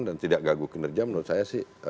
dan tidak gaguh kinerja menurut saya